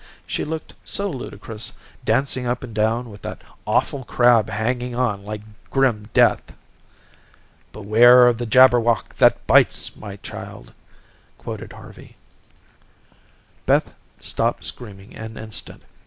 She looked so ludicrous, dancing up and down with that awful crab hanging on like grim death. "'Beware of the Jabberwock that bites, my child,'" quoted Harvey. Beth stopped screaming an instant.